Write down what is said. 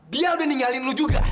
dia udah ninggalin lu juga